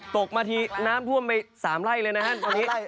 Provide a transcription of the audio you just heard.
ตกมาที่น้ำพ่วมไป๓ไร่เลยนะฮะ